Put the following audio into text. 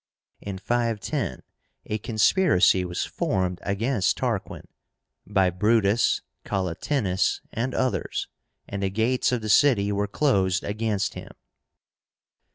In 510 a conspiracy was formed against Tarquin by BRUTUS, COLLATÍNUS, and others, and the gates of the city were closed against him.